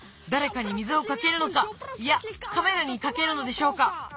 だれかに水をかけるのかいやカメラにかけるのでしょうか？